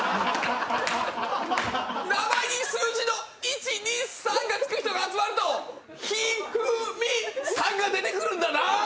名前に数字の１２３がつく人が集まると一二三さんが出てくるんだな！